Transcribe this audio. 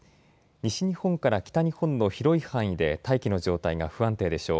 西日本から北日本の広い範囲で大気の状態が不安定でしょう。